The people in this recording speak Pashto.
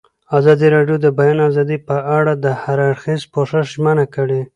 ازادي راډیو د د بیان آزادي په اړه د هر اړخیز پوښښ ژمنه کړې.